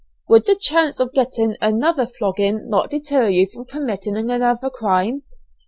"Would the chance of getting another flogging not deter you from committing another crime?"